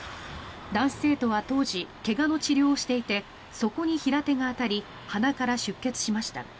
男子生徒は当時、怪我の治療をしていてそこに平手が当たり鼻から出血しました。